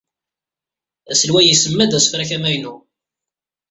Aselway isemma-d asefrak amaynu.